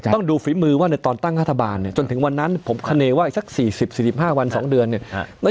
ต้องดูฝีมือว่าในตอนตั้งรัฐบาลเนี่ยจนถึงวันนั้นผมคาเนว่าอีกสัก๔๐๔๕วัน๒เดือนเนี่ย